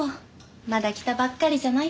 まだ来たばっかりじゃない。